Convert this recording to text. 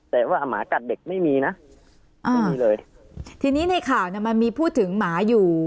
แต่ว่าหมากัดเด็กไม่มีนะไม่มีเลยทีนี้ในข่าวเนี้ยมันมีพูดถึงหมาอยู่